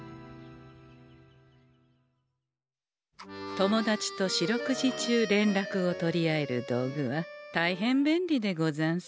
友達と四六時中連絡を取り合える道具は大変便利でござんす。